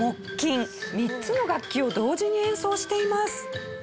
３つの楽器を同時に演奏しています。